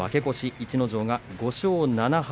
逸ノ城が５勝７敗。